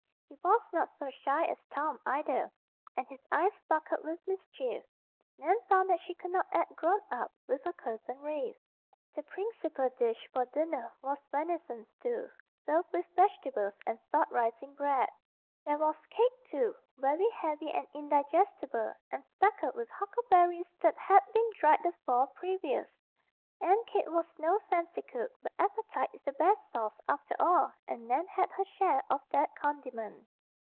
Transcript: He was not so shy as Tom, either; and his eyes sparkled with mischief. Nan found that she could not act "grown up" with her Cousin Rafe. The principal dish for dinner was venison stew, served with vegetables and salt rising bread. There was cake, too, very heavy and indigestible, and speckled with huckleberries that had been dried the fall previous. Aunt Kate was no fancy cook; but appetite is the best sauce, after all, and Nan had her share of that condiment.